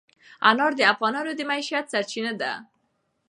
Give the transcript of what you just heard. انار د افغانانو د معیشت سرچینه ده.